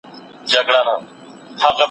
وایې خدای دې کړي خراب چي هرچا وړﺉ